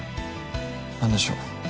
何でしょう？